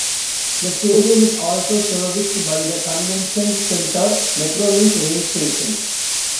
The stadium is also serviced by the Convention Center MetroLink rail station.